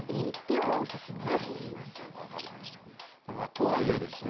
とはいえですよ